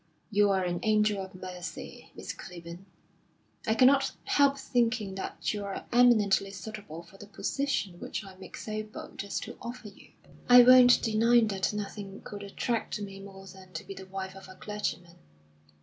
You are an angel of mercy, Miss Clibborn. I cannot help thinking that you are eminently suitable for the position which I make so bold as to offer you." "I won't deny that nothing could attract me more than to be the wife of a clergyman.